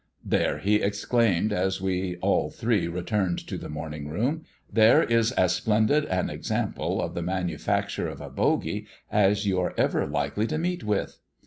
"There," he exclaimed, as we all three returned to the morning room "there is as splendid an example of the manufacture of a bogie as you are ever likely to meet with.